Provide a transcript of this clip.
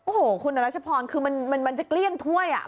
โอ้โหคุณรัชพรคือมันจะเกลี้ยงถ้วยอ่ะ